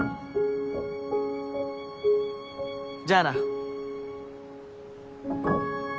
じゃあな。